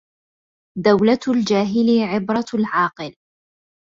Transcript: دَوْلَةُ الْجَاهِلِ عِبْرَةُ الْعَاقِلِ